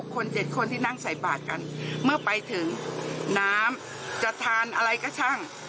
คน๗คนที่นั่งใส่บาทกันเมื่อไปถึงน้ำจะทานอะไรก็ช่าง